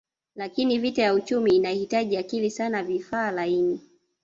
Lakini vita ya uchumi inahitaji akili sana vifaa laini